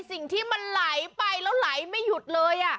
สิ่งที่มันไหลไปแล้วไหลไม่หยุดเลย